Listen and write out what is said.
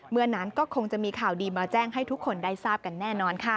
เมื่อนั้นก็คงจะมีข่าวดีมาแจ้งให้ทุกคนได้ทราบกันแน่นอนค่ะ